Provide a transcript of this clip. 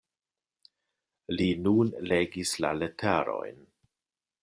Li nun legis la leterojn.